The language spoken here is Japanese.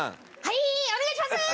はいお願いします！